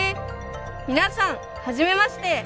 皆さんはじめまして！